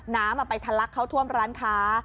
น้ำไปทะลักเข้าท่วมร้านค้า